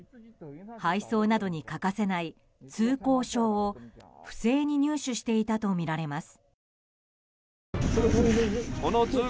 配送などに欠かせない通行証を不正に入手していたとみられます。